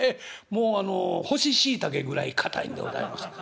もうあの干しシイタケぐらい堅いんでございます」。